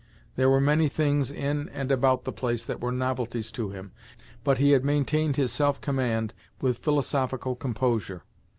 There were many things, in and about the place, that were novelties to him, but he had maintained his self command with philosophical composure.